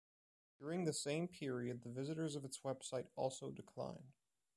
During the same period the visitors of its website also declined.